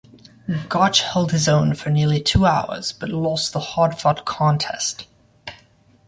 Gotch held his own for nearly two hours, but lost the hard-fought contest.